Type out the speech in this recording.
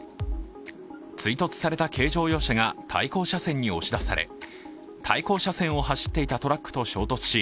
追突された軽乗用車が対向車線に押し出され対向車線を走っていたトラックと衝突し